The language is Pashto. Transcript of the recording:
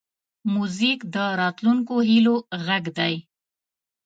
موزیک د راتلونکو هیلو غږ دی.